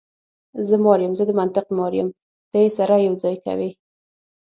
زه مار یم، زه د منطق مار یم، ته یې سره یو ځای کوې.